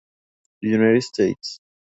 United States.